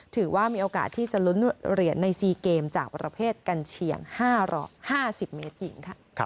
ถือว่ามีโอกาสที่จะลุ้นเหรียญใน๔เกมจากประเภทกันเฉียง๕๐เมตรหญิง